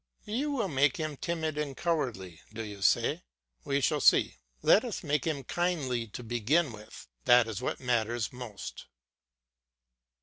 "You will make him timid and cowardly," do you say? We shall see; let us make him kindly to begin with, that is what matters most.